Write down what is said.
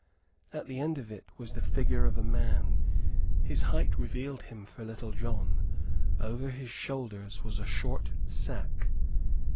At the end of it was the figure of a man. His height revealed him for Little John. Over his shoulders was a short sack.